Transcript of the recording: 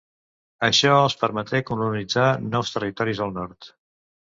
Això els permeté colonitzar nous territoris al Nord.